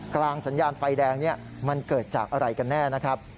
กลางสัญญาณไฟแดงนี้มันเกิดจากอะไรกันแน่นะครับ